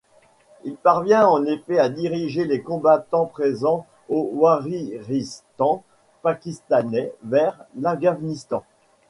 Il parvient en effet à diriger les combattants présents au Waziristan Pakistanais vers l'Afghanistan.